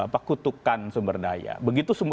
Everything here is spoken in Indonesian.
pekutukan sumber daya begitu